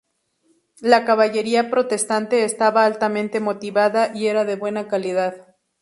La caballería protestante estaba altamente motivada y era de buena calidad.